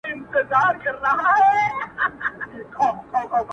ماته خو اوس هم گران دى اوس يې هم يادوم-